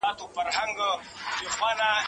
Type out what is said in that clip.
د یو بل په درد باید پوه سو.